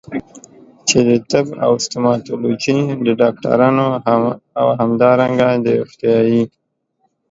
چې د طب او ستوماتولوژي د ډاکټرانو او همدارنګه د روغتيايي